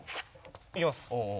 いきます。